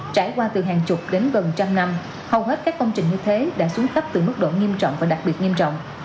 trải qua từ hàng chục đến gần trăm năm hầu hết các công trình như thế đã xuống cấp từ mức độ nghiêm trọng và đặc biệt nghiêm trọng